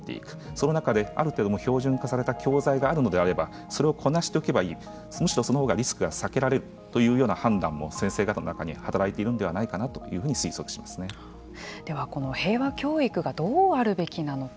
その中である程度標準化された教材があるのであればそれをこなしておけばいいそのほうがリスクが避けられるというような判断も先生方の中に働いているのではないかなでは、この平和教育がどうあるべきなのか。